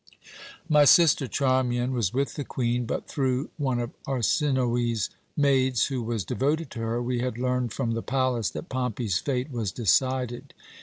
"My sister Charmian was with the Queen, but through one of Arsinoë's maids, who was devoted to her, we had learned from the palace that Pompey's fate was decided.